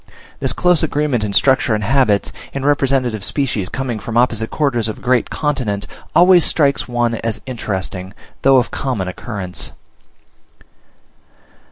This close agreement in structure and habits, in representative species coming from opposite quarters of a great continent, always strikes one as interesting, though of common occurrence.